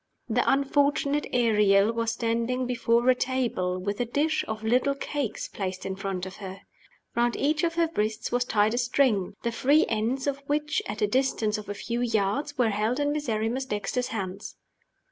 The unfortunate Ariel was standing before a table, with a dish of little cakes placed in front of her. Round each of her wrists was tied a string, the free ends of which (at a distance of a few yards) were held in Miserrimus Dexter's hands.